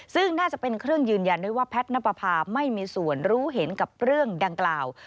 ซึ่งน่าจะเป็นเครื่องยืนยันด้วยว่าแพทย์นับประพาไม่มีส่วนรู้เห็นกับเรื่องดังกล่าว